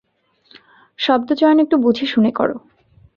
শব্দচয়ন একটু বুঝেশুনে কর।